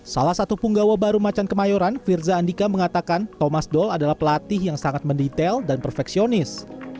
salah satu punggawa baru macan kemayoran firza andika mengatakan thomas doll adalah pelatih yang sangat mendetail dan perfeksionis